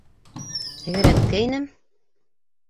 Тәгәрәткәйнем.